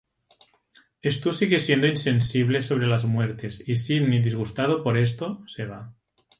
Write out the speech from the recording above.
Stu sigue siendo insensible sobre las muertes y Sidney, disgustado por esto, se va.